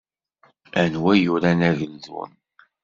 Anwa i yuran Ageldun?